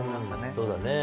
そうだね。